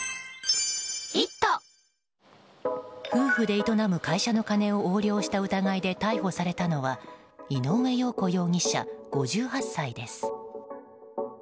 夫婦で営む会社の金を横領した疑いで逮捕されたのは井上洋子容疑者、５８歳です。